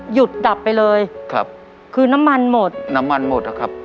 ดับไปเลยครับคือน้ำมันหมดน้ำมันหมดอะครับ